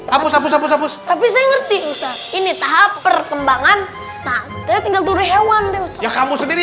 hapus hapus tapi saya ngerti ini tahap perkembangan tinggal turun hewan ya kamu sendiri